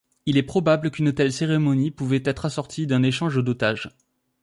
Il est probable qu'une telle cérémonie pouvait être assortie d'un échange d'otages.